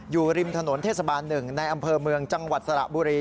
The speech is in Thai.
อยู่ริมถนนเทศบาล๑ในอำเภอเมืองจังหวัดสระบุรี